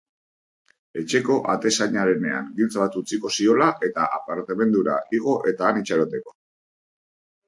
Etxeko atezainarenean giltza bat utziko ziola, eta apartamentura igo eta han itxaroteko.